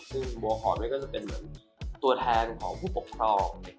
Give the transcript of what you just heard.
ซึ่งบัวหอมนี่ก็จะเป็นเหมือนตัวแทนของผู้ปกครอง